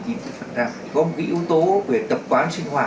có một yếu tố về tập quán sinh hoạt